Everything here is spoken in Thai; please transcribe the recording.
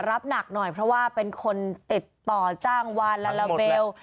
รับหนักหน่อยเพราะว่าเป็นคนติดต่อจ้างวานลาลาเบล